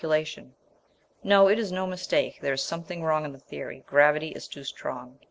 No, it is no mistake: there is something wrong in the theory, gravity is too strong.